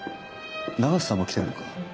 永瀬さんも来てるのか。